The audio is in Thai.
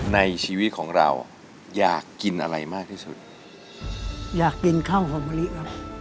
ในชีวิตของเราอยากกินอะไรมากที่สุดอยากกินข้าวหอมมะลิครับ